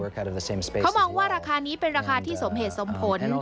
เขามองว่าราคานี้เป็นราคาที่สมเหตุสมผล